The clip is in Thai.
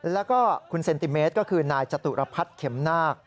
แล้วก็คุณเซนติเมตรก็คือนายจตุรพัฒน์เข็มนาค